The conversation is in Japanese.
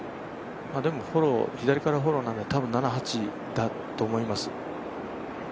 でも、左からフォローなんで多分７、８なんだと思います。